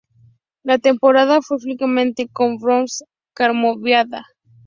La temporada fue filmada en Koh Rong, Cambodia.